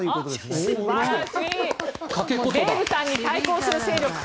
デーブさんに対抗する勢力！